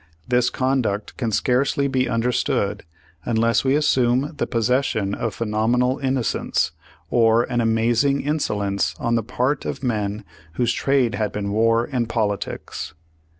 This conduct can scarcely be understood unless we assume the possession of phenomenal innocence, or an amaz ing insolence on the part of men whose trade had been war and politics.